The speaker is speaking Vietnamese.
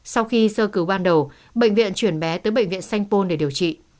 sau khi sơ cứu ban đầu bệnh viện chuyển bé tới bệnh viện sanh pôn để điều trị